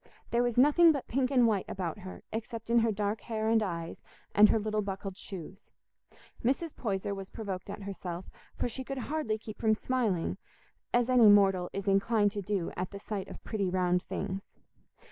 There was nothing but pink and white about her, except in her dark hair and eyes and her little buckled shoes. Mrs. Poyser was provoked at herself, for she could hardly keep from smiling, as any mortal is inclined to do at the sight of pretty round things.